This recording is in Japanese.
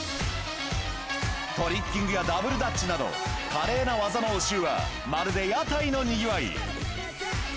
トリッキングやダブルダッチなど、華麗な技の応酬は、まるで屋台のにぎわい。